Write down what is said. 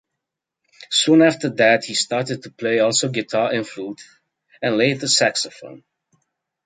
Soon after that he started to play also guitar and flute, and later saxophone.